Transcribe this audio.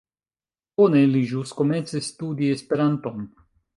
Bone, li ĵus komencis studi Esperanton